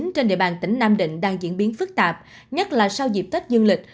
trên địa bàn tỉnh nam định đang diễn biến phức tạp nhất là sau dịp tết dương lịch